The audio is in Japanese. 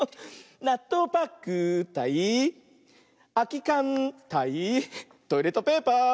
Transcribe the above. なっとうパックたいあきかんたいトイレットペーパー。